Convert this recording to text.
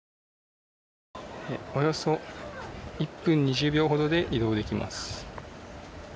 およそ１分２０秒ほどで移動できます。